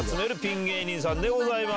芸人さんでございます。